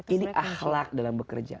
ini ahlak dalam bekerja